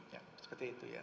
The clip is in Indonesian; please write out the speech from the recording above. ya seperti itu ya